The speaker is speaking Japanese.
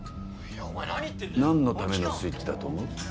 なんのためのスイッチだと思う？